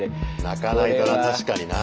泣かないとな確かにな。